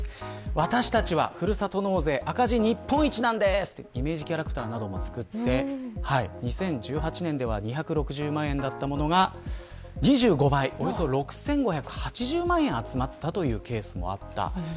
私たちはふるさと納税赤字日本一なんですとイメージキャラクターも作って２０１８年では２６０万円だったものが２５倍のおよそ６５８０万円集まったというケースがありました。